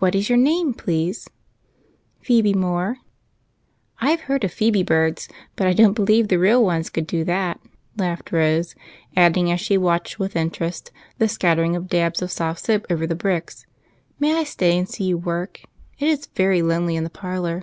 What is your name, please ?"« Phebe Moore." " I 've heard of phebe birds ; but I don't believe the real ones could do that," laughed Rose, adding, as she watched with interest the scattering of dabs of soft soap over the bricks, " May I stay and see you work ? It is very lonely in the parlor."